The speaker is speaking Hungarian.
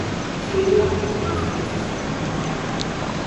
Sírja a pozsonyi ferences templomban van.